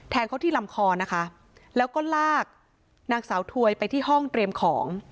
เขาที่ลำคอนะคะแล้วก็ลากนางสาวถวยไปที่ห้องเตรียมของ